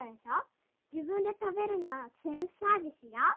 じぶんでたべるのはセルフサービスよ。